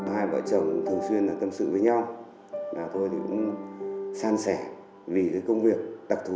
hai vợ chồng thường xuyên tâm sự với nhau là tôi thì cũng san sẻ vì cái công việc đặc thù